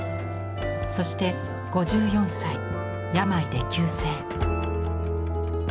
そして５４歳病で急逝。